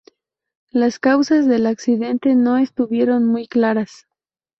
Las causas del accidente no estuvieron muy claras.